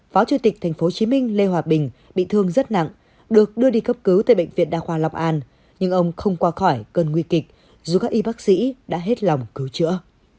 phó chủ tịch tp hcm lê hòa bình bị thương rất nặng được đưa đi cấp cứu tại bệnh viện đa khoa long an nhưng ông không qua khỏi cơn nguy kịch dù các y bác sĩ đã hết lòng cứu chữa